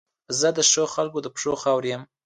زه د ښو خلګو د پښو خاورې یم.